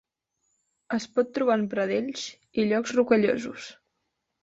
Es pot trobar en pradells i llocs rocallosos.